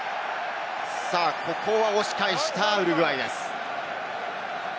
ここは押し返したウルグアイです。